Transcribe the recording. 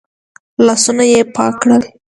لاسونه يې پاک کړل.